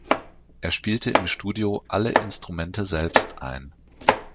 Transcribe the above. Er spielte im Studio alle Instrumente selbst ein.